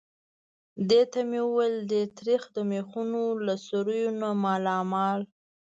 دې ته مې وویل: ډېر تریخ. د مېخونو له سوریو نه مالامال.